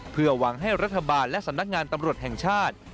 เพื่อหวังให้รัฐบาลและสำนักงานตำรวจแห่งชาติ